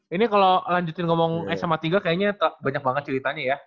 ini kalo lanjutin ngomong s sama tiga kayaknya banyak banget ceritanya ya